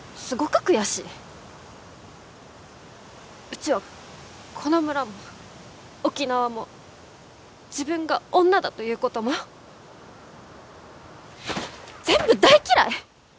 うちはこの村も沖縄も自分が女だということも全部大嫌い！